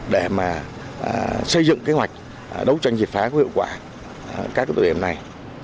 để mà xây dựng kế hoạch đấu tranh diệt phá của hiệu quả đánh bạc